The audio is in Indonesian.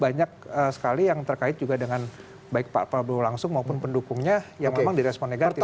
banyak sekali yang terkait juga dengan baik pak prabowo langsung maupun pendukungnya yang memang direspon negatif